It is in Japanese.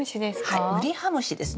はいウリハムシですね。